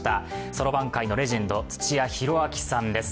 そろばん界のレジェンド土屋宏明さんです。